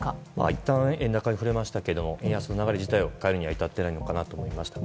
いったん円高に振れましたけども円安の流れ自体を変えるには至っていないのかなと思いました。